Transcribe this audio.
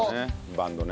バンドね。